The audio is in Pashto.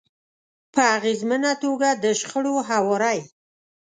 -په اغیزمنه توګه د شخړو هواری